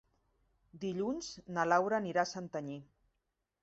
Dilluns na Laura anirà a Santanyí.